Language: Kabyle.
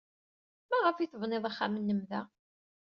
Maɣef ay tebnid axxam-nnem da?